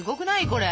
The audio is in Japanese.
これ。